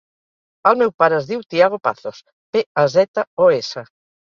El meu pare es diu Tiago Pazos: pe, a, zeta, o, essa.